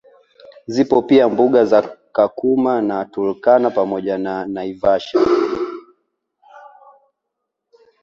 Zipo pia mbuga za Kakuma na Turkana pamoja na Naivasaha